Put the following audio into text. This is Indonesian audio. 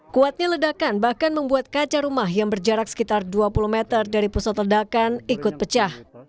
kuatnya ledakan bahkan membuat kaca rumah yang berjarak sekitar dua puluh meter dari pusat ledakan ikut pecah